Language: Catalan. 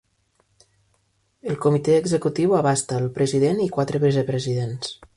El comitè executiu abasta al president i quatre vicepresidents.